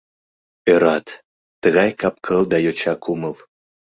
Ӧрат, тыгай кап-кыл да йоча кумыл.